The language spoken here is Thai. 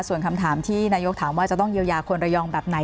ส่วนคำถามที่นายกถามว่าจะต้องเยียวยาคนระยองแบบไหน